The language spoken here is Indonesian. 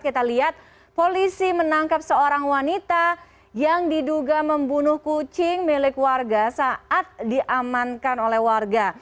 kita lihat polisi menangkap seorang wanita yang diduga membunuh kucing milik warga saat diamankan oleh warga